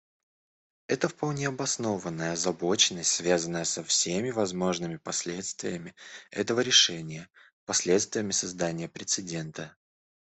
Это вполне обоснованная озабоченность, связанная со всеми возможными последствиями этого решения, последствиями создания прецедента.